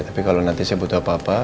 tapi kalau nanti saya butuh apa apa